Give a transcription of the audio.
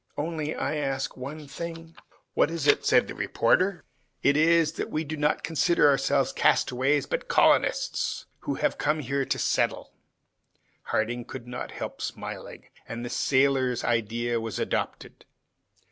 Only, I ask one thing." "What is that?" said the reporter. "It is, that we do not consider ourselves castaways, but colonists, who have come here to settle." Harding could not help smiling, and the sailor's idea was adopted.